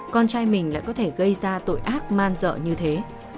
con trai mình lại có thể gây ra tội ác man dợ như thế